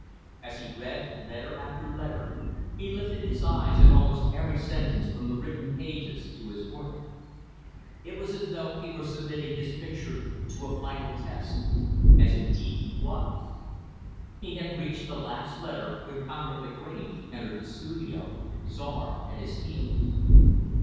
As he read letter after letter, he lifted his eyes, at almost every sentence from the written pages to his work. It was as though he were submitting his picture to a final test as, indeed, he was. He had reached the last letter when Conrad Lagrange entered the studio; Czar at his heels.